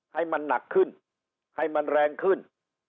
ให้มันหนักขึ้นให้มันแรงขึ้น